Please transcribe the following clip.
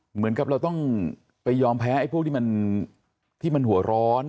เหมือนกับเราต้องไปยอมแพ้ไอ้พวกที่มันหัวร้อน